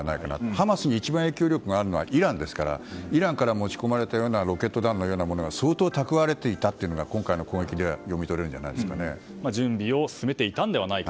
ハマスに一番影響力があるのはイランですからイランから持ち込まれたようなロケット弾のようなものが相当蓄えられていたということが今回の攻撃で準備を進めていたのではないか。